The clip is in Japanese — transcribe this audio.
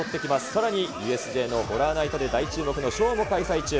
さらにＵＳＪのホラーナイトで大注目のショーも開催中。